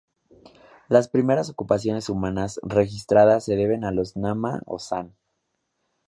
Las primeras ocupaciones humanas registradas se deben a los nama o san.